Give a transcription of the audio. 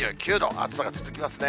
暑さが続きますね。